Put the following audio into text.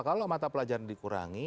kalau mata pelajaran dikurangi